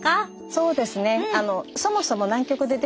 そうですね。